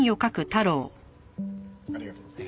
ありがとうございます。